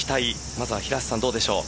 まずは平瀬さん、どうでしょう？